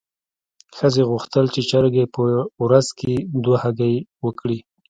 ښځې غوښتل چې چرګه په ورځ کې دوه هګۍ ورکړي.